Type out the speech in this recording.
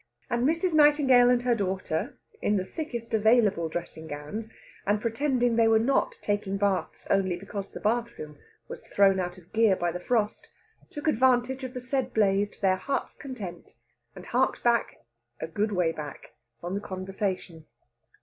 And Mrs. Nightingale and her daughter, in the thickest available dressing gowns, and pretending they were not taking baths only because the bath room was thrown out of gear by the frost, took advantage of the said blaze to their heart's content and harked back a good way back on the conversation.